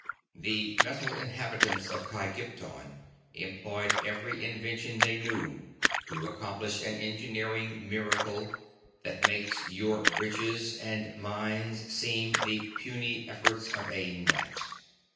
"The metal inhabitants of Kygpton employed every invention they knew to accomplish an engineering miracle that makes your bridges and mines seem but the puny efforts of a gnat.